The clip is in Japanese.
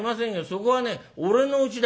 そこはね俺のうちだい」。